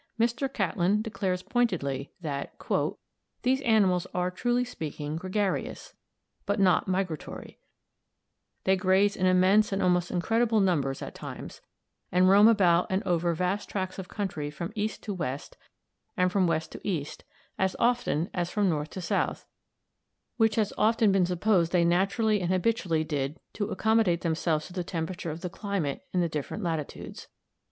I, Mr. Catlin declares pointedly that "these animals are, truly speaking, gregarious, but not migratory; they graze in immense and almost incredible numbers at times, and roam about and over vast tracts of country from east to west and from west to east as often as from north to south, which has often been supposed they naturally and habitually did to accommodate themselves to the temperature of the climate in the different latitudes."